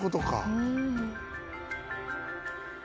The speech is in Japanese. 「うん」